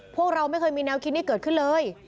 พวกเราไม่เคยมีแนวคิดนี้เกิดขึ้นเลย